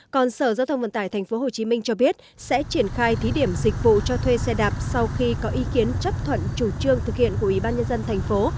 còn sở giao thông vận tải tp hcm cho biết sẽ triển khai thí điểm dịch vụ cho thuê xe đạp sau khi có ý kiến chấp thuận chủ trương thực hiện của ủy ban nhân dân thành phố